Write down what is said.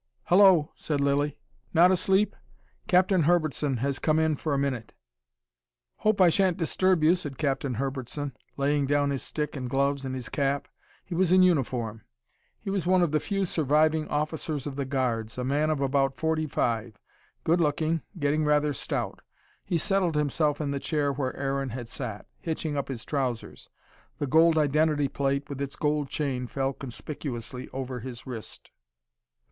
"Hullo!" said Lilly. "Not asleep? Captain Herbertson has come in for a minute." "Hope I shan't disturb you," said Captain Herbertson, laying down his stick and gloves, and his cap. He was in uniform. He was one of the few surviving officers of the Guards, a man of about forty five, good looking, getting rather stout. He settled himself in the chair where Aaron had sat, hitching up his trousers. The gold identity plate, with its gold chain, fell conspicuously over his wrist.